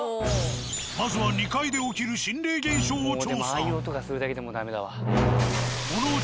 まずは２階で起きる心霊現象を調査。